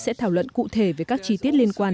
sẽ thảo luận cụ thể về các chi tiết liên quan